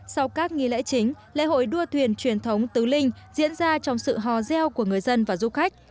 sau các nghi lễ chính lễ hội đua thuyền truyền thống tứ linh diễn ra trong sự hò reo của người dân và du khách